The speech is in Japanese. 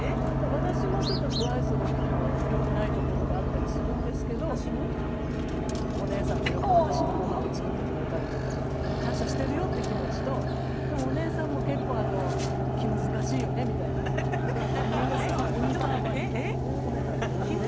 私もちょっとブあいそでよくないところがあったりするんですけどお姉さんがよく私にごはんを作ってくれたりとかで感謝してるよって気持ちとでもお姉さんも結構気難しいよねみたいなニュアンスを「おにばーば」に込めたというね。